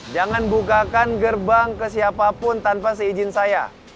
jangan bukakan gerbang ke siapapun tanpa seizin saya